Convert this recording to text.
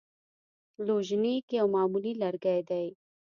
لوژینګ یو معمولي لرګی دی.